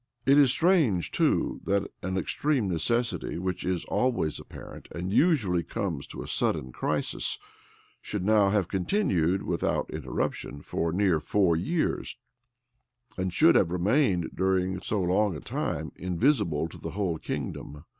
It is strange, too, that an extreme necessity, which is always apparent, and usually comes to a sudden crisis, should now have continued without interruption for near four years, and should have remained during so long a time invisible to the whole kingdom.